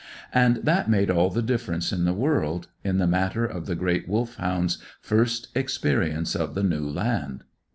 And that made all the difference in the world, in the matter of the great Wolfhound's first experience of the new land.